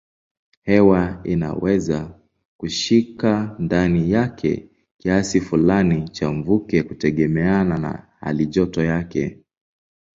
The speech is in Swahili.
Hewa inaweza kushika ndani yake kiasi fulani cha mvuke kutegemeana na halijoto yake.